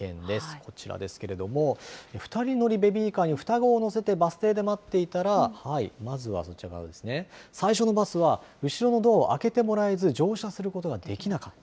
こちらですけれども、２人乗りベビーカーに双子を乗せてバス停で待っていたら、まずはこちらですね、最初のバスは後ろのドアを開けてもらえず、乗車することができなかった。